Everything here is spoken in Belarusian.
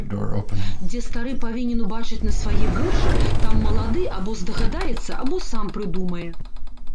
Дзе стары павінен убачыць на свае вочы, там малады або здагадаецца, або сам прыдумае.